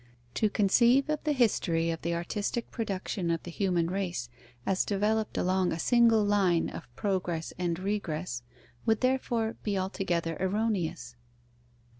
To conceive of the history of the artistic production of the human race as developed along a single line of progress and regress, would therefore be altogether erroneous.